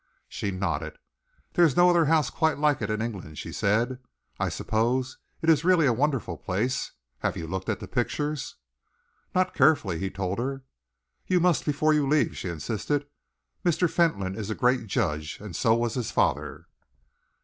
She nodded. "There is no other house quite like it in England," she said. "I suppose it is really a wonderful place. Have you looked at the pictures?" "Not carefully," he told her. "You must before you leave," she insisted. "Mr. Fentolin is a great judge, and so was his father."